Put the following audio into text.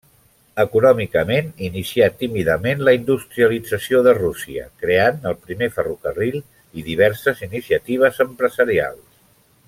Econòmicament inicià tímidament la industrialització de Rússia creant el primer ferrocarril i diverses iniciatives empresarials.